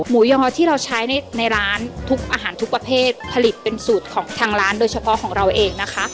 ยอที่เราใช้ในร้านทุกอาหารทุกประเภทผลิตเป็นสูตรของทางร้านโดยเฉพาะของเราเองนะคะ